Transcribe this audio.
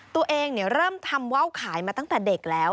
ตัวเองเริ่มทำว่าวขายมาตั้งแต่เด็กแล้ว